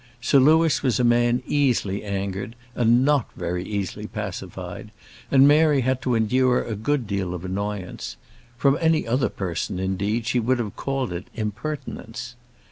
Sir Louis was a man easily angered, and not very easily pacified, and Mary had to endure a good deal of annoyance; from any other person, indeed, she would have called it impertinence.